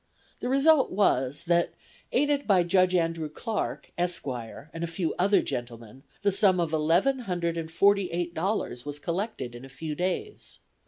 The result was that, aided by Judge Andrew Clarke, Esq., and a few other gentlemen, the sum of eleven hundred and forty eight dollars was collected in a few days.